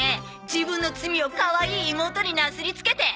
自分の罪をかわいい妹になすりつけて。